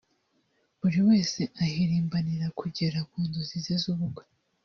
buri wese ahirimbanira kugera ku nzozi ze z’ubukwe